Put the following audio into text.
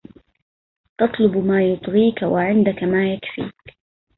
تَطْلُبُ مَا يُطْغِيك وَعِنْدَك مَا يَكْفِيك